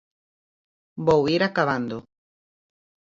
Vou ir acabando.